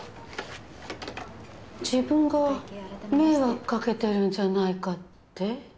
自分が迷惑掛けてるんじゃないかって？